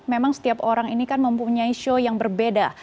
memang setiap orang ini kan mempunyai show yang berbeda